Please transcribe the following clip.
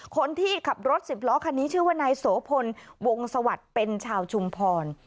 คนที่ขับรถสิบล้อคันนี้ชื่อว่านายโสพลวงสวัสดิ์เป็นชาวชุมพร